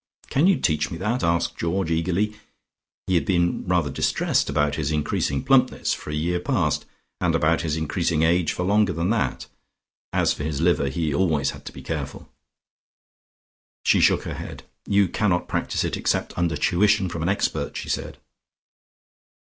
"Can't you teach me that?" asked Georgie eagerly. He had been rather distressed about his increasing plumpness for a year past, and about his increasing age for longer than that. As for his liver he always had to be careful. She shook her head. "You cannot practise it except under tuition from an expert," she said.